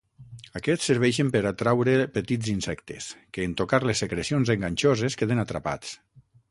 Aquests serveixen per atraure petits insectes, que en tocar les secrecions enganxoses queden atrapats.